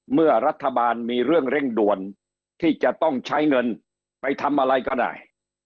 เมื่อรัฐบาลมีเรื่องเร่งด่วนที่จะต้องใช้เงินไปทำอะไรก็ได้